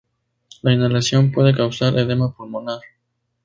La inhalación puede causar edema pulmonar.